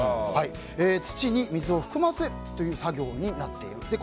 土に水を含ませるという作業になっている。